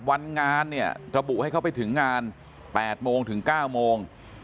วันงานเนี่ยระบุให้เขาไปถึงงาน๘โมงถึง๙โมง